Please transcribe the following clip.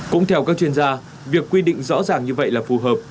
cũng theo các chuyên gia việc quy định rõ ràng như vậy là phù hợp